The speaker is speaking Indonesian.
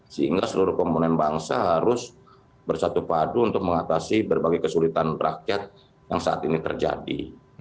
sehingga seluruh komponen bangsa harus bersatu padu untuk mengatasi berbagai kesulitan rakyat yang saat ini terjadi